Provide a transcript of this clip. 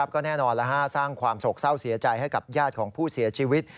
ก็แน่นอนสร้างความโศกเศร้าเสียใจให้กับญาติของผู้เสียชีวิต